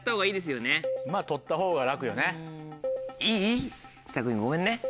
まぁ取ったほうが楽よね。